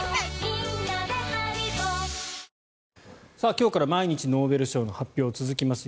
今日から毎日ノーベル賞の発表続きます